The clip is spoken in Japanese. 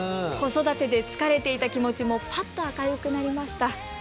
子育てで疲れていた気持ちもパッと明るくなりました！」。